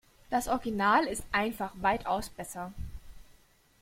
Das Original ist einfach weitaus besser.